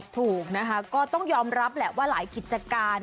ถูกนะคะก็ต้องยอมรับแหละว่าหลายกิจการ